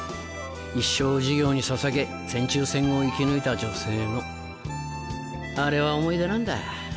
一生を事業に捧げ戦中戦後を生き抜いた女性のあれは思い出なんだ。